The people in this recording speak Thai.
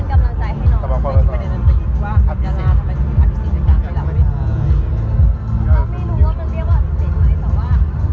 เราก็เป็นกำลังใจให้น้องว่าทำไมอัธิษฐีในการธุรกิจ